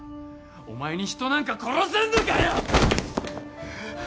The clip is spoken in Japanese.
お前に人なんか殺せんのかよ？